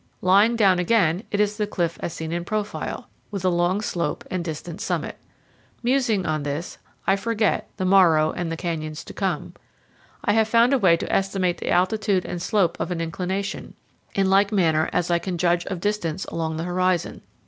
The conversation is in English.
Lying down again, it is the cliff as seen in profile, with a long slope and distant summit. Musing on this, I forget "the morrow and the canyons to come"; I have found a way to estimate the altitude and slope of an inclination, in like manner as I can judge of distance along the horizon.